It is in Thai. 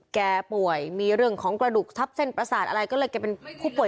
แกป่วยมีเรื่องของกระดูกทับเส้นประสาทอะไรก็เลยแกเป็นผู้ป่วย